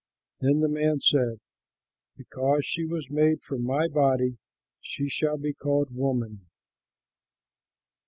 Then the man said, "Because she was made from my body, she shall be called Woman."